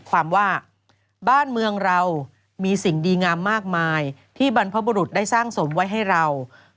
ความว่าบ้านเมืองเรามีสิ่งดีงามมากมายที่บรรพบุรุษได้สร้างสมไว้ให้เรา